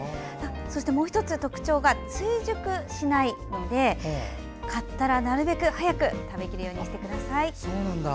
そしてもう１つ特徴が追熟しないので買ったらなるべく早く食べきるようにしてください。